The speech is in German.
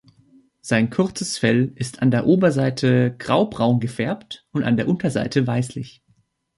Sein kurzes Fell ist an der Oberseite graubraun gefärbt und an der Unterseite weißlich.